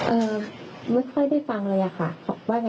เอ่อไม่ค่อยได้ฟังเลยอะค่ะว่าไงบ้างค่ะ